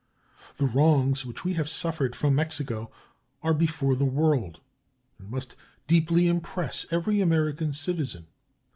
The wrongs which we have suffered from Mexico are before the world and must deeply impress every American citizen.